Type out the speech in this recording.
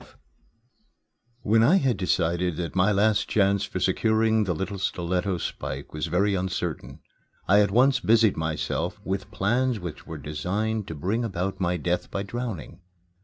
XII When I had decided that my chance for securing the little stiletto spike was very uncertain, I at once busied myself with plans which were designed to bring about my death by drowning.